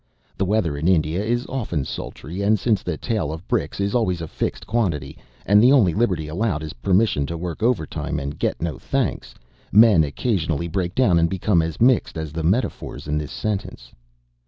The weather in India is often sultry, and since the tale of bricks is always a fixed quantity, and the only liberty allowed is permission to work overtime and get no thanks, men occasionally break down and become as mixed as the metaphors in this sentence.